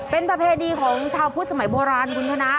เป็นประเพณีของชาวพุทธสมัยโบราณคุณชนะ